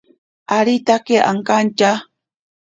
Aritake okantya.